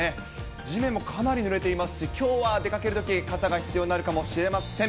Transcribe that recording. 地面もかなりぬれていますし、きょうは出かけるとき、傘が必要になるかもしれません。